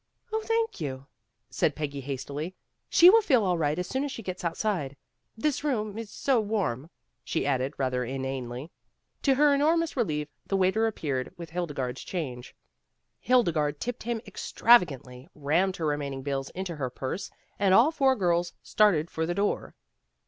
"Oh, thank you," said Peggy hastily, "she will feel all right as soon as she gets outside. This room is so warm," she added rather inanely. To her enormous relief the waiter appeared with Hildegarde's change. Hilde garde tipped him extravagantly, rammed her remaining bills into her purse, and all four girls started for the door.